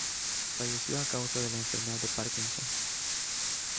Falleció a causa de la enfermedad de Parkinson.